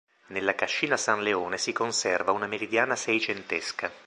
Nella cascina San Leone si conserva una meridiana seicentesca.